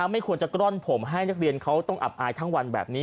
ไม่ควรจะกล้อนผมให้นักเรียนเขาต้องอับอายทั้งวันแบบนี้